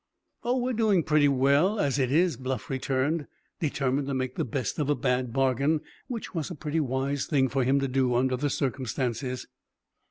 "Oh, we're doing pretty well, as it is," Bluff returned, determined to make the best of a bad bargain, which was a pretty wise thing for him to do under the circumstances.